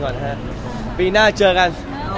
อ๋อน้องมีหลายคน